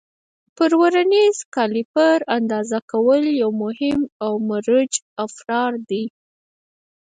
پر ورنیز کالیپر اندازه کول یو مهم او مروج افزار دی.